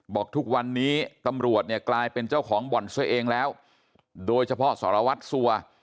บอกทุกวันนี้ตำรวจเนี่ยกลายเป็นเจ้าของบ่อนซะเองแล้วโดยเฉพาะสารวัตรสัว